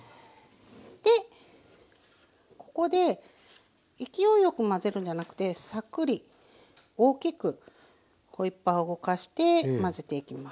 でここで勢いよく混ぜるんじゃなくてサクリ大きくホイッパーを動かして混ぜていきます。